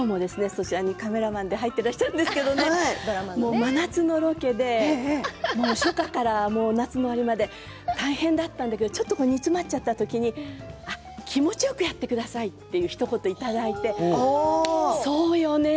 そちらにカメラマンで入っていらっしゃるんですけれどもね真夏のロケで初夏から夏の終わりまで大変だったんだけどちょっと煮詰まっちゃった時に気持ちよくやってくださいというひと言をいただいてそうよね！